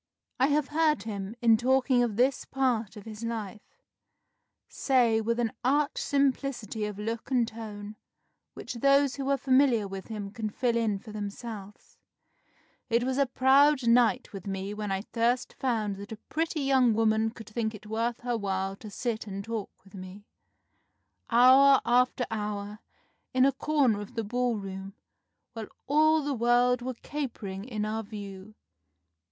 I have heard him, in talking of this part of his life, say, with an arch simplicity of look and tone which those who were familiar with him can fill in for themselves 'It was a proud night with me when I first found that a pretty young woman could think it worth her while to sit and talk with me, hour after hour, in a corner of the ball room, while all the world were capering in our view.